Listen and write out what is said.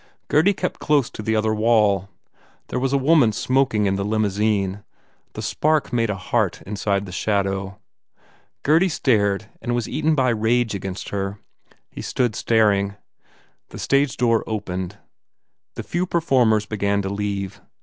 Gurdy kept close to the other wall. There was a woman smoking in the limousine. The spark made a heart inside the shadow. Gurdy stared and was eaten by rage against her. He stood staring. The stage door opened. The few performers began to leave.